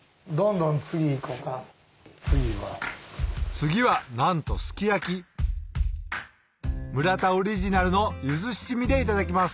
次はなんと村田オリジナルの柚子七味でいただきます